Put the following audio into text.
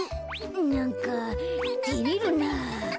なんかてれるなぁ。